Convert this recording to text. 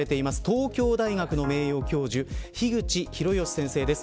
東京大学の名誉教授樋口広芳先生です。